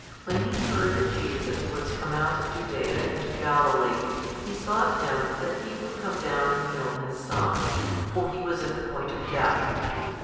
When he heard that Jesus was come out of Judaea into Galilee, he besought Him that He would come down and heal his son: for he was at the point of death.